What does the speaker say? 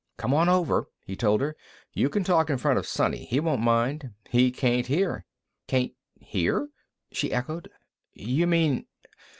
"Come on over," he told her. "You can talk in front of Sonny; he won't mind. He can't hear." "Can't hear?" she echoed. "You mean